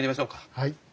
はい。